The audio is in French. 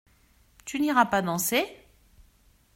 Tu n’iras pas danser ?